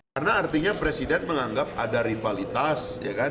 karena artinya presiden menganggap ada rivalitas